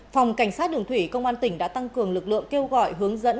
phòng cảnh sát đường thủy công an tỉnh đã tăng cường lực lượng kêu gọi hướng dẫn